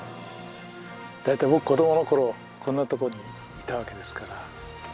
大体僕子供の頃こんなとこにいたわけですから。